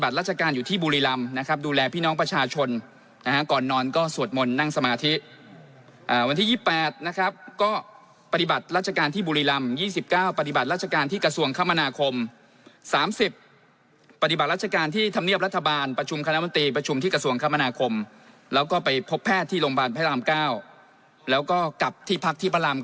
ที่น้องประชาชนนะฮะก่อนนอนก็สวดมนตร์นั่งสมาธิวันที่ยี่แปดนะครับก็ปฏิบัติราชการที่บุรีลำยี่สิบเก้าปฏิบัติราชการที่กระทรวงคมนาคมสามสิบปฏิบัติราชการที่ธรรมเนียบรัฐบาลประชุมคณะมนตรีประชุมที่กระทรวงคมนาคมแล้วก็ไปพบแพทย์ที่โรงบาลพระรามเก้าแล้วก็กลับที่พัก